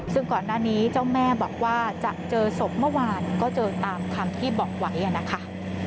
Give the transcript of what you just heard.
ซึ่งก่อนหน้านี้เจ้าแม่บอกว่าจะเจอศพเมื่อวานก็เจอตามคำที่บอกไว้นะคะ